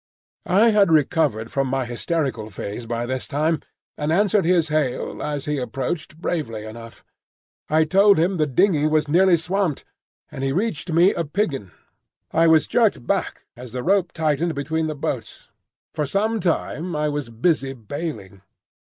I had recovered from my hysterical phase by this time and answered his hail, as he approached, bravely enough. I told him the dingey was nearly swamped, and he reached me a piggin. I was jerked back as the rope tightened between the boats. For some time I was busy baling.